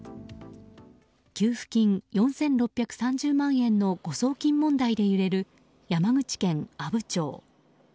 給付金４６３０万円の誤送金問題で揺れる山口県阿武町。